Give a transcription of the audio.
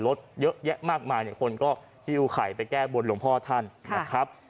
เยอะแยะมากมายเนี่ยคนก็หิ้วไข่ไปแก้บนหลวงพ่อท่านนะครับ